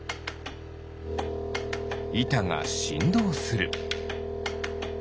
いたがしんどうする。